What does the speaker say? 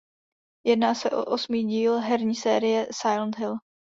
Jedná se o osmý díl herní série Silent Hill.